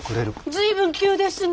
随分急ですね。